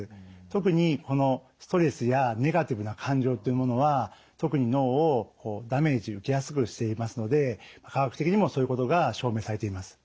特にストレスやネガティブな感情っていうものは特に脳をダメージ受けやすくしていますので科学的にもそういうことが証明されています。